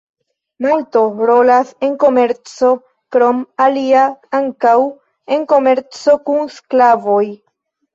Malto rolas en komerco, krom alia ankaŭ en komerco kun sklavoj.